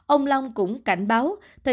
ông long cũng cảnh báo